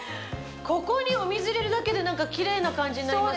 ここにお水入れるだけで何かきれいな感じになりますね。